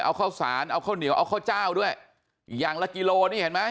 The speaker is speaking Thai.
เอาข้าวสารเอาข้าวเหนียวเอาข้าวเจ้าด้วยอย่างละกิโลนี่เห็นไหม